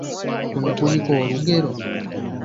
Kuno kuliko olugero?